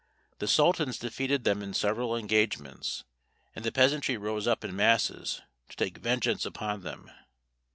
The sultans defeated them in several engagements, and the peasantry rose up in masses to take vengeance upon them.